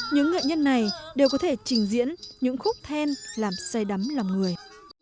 những nghệ nhân này đều có thể trình diễn những khúc then làm say đắm lòng người